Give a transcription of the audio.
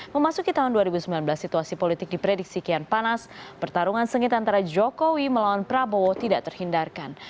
memasuki tahun dua ribu sembilan belas situasi politik diprediksi kian panas pertarungan sengit antara jokowi melawan prabowo tidak terhindarkan